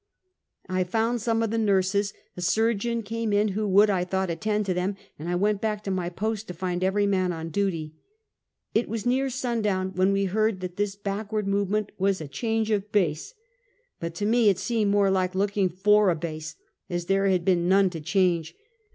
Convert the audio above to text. I found some of the nurses ; a surgeon came in who would, I thought, attend to them, and I went back to my post to find every man on duty. It was near sundown when we heard that this back ward movement was a " change of base;" but to me it seemed more like looking for a base, as there had been none to change.